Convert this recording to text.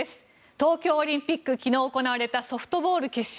東京オリンピック、昨日行われたソフトボール決勝。